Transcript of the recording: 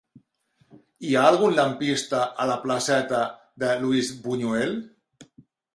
Hi ha algun lampista a la placeta de Luis Buñuel?